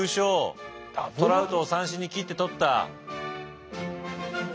トラウトを三振に切って取った。